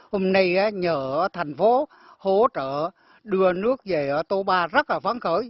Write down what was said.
hôm nay nhờ thành phố hỗ trợ đưa nước về ở tố ba rất là phán khởi